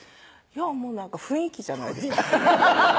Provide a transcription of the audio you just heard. なんか雰囲気じゃないですか？